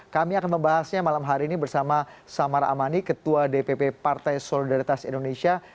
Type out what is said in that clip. kami akan membahasnya malam hari ini bersama samara amani ketua dpp partai solidaritas indonesia